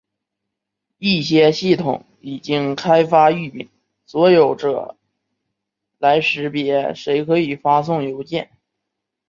一些系统已经开发域名所有者来识别谁可以发送邮件。